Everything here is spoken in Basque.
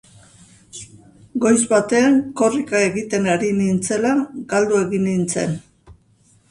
Goiz batean korrika egiten ari nintzela galdu egin nintzen.